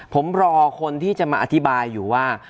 ผมรอคนที่จะมาอธิบายอยู่ว่า